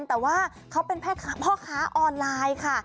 แต่ว่าเขาเป็นพ่อค้าออนไลน์ค่ะ